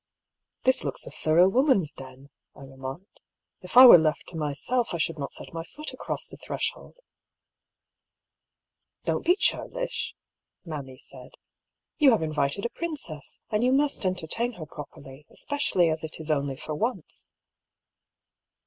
" This looks a thorough woman's den," I remarked. " If I were left to myself, I should not set my foot across the threshold." " Don't be churlish," mammy said. " You have in vited a princess, and you must entertain her properly, especially as it is only for once."